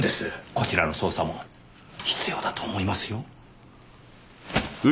こちらの捜査も必要だと思いますよ。